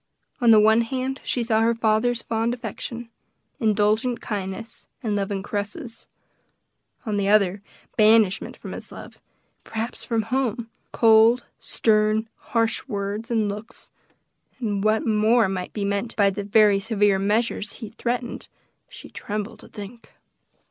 On the one hand she saw her father's fond affection, indulgent kindness, and loving caresses; on the other, banishment from his love, perhaps from home, cold, stern, harsh words and looks; and what more might be meant by the very severe measures threatened, she trembled to think.